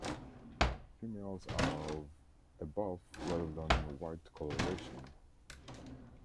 Females are of a buff rather than white coloration.